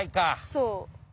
そう。